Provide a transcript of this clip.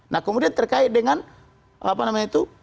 nah kemudian terkait dengan apa namanya itu